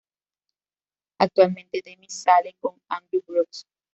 Actualmente Demi sale con Andrew Brooks.